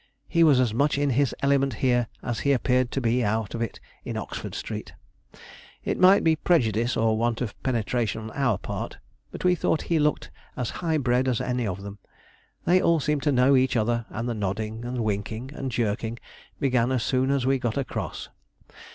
He was as much in his element here as he appeared to be out of it in Oxford Street. It might be prejudice, or want of penetration on our part, but we thought he looked as high bred as any of them. They all seemed to know each other, and the nodding, and winking, and jerking, began as soon as we got across.